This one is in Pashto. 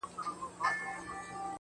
موري ډېوه دي ستا د نور د شفقت مخته وي.